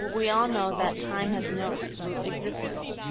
But we all know that time has no absolute existence.